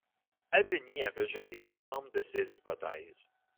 Aveni a rejeté l'ensemble de ces hypothèses.